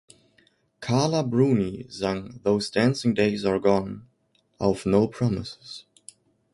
Carla Bruni sang "Those Dancing Days Are Gone" auf "No Promises".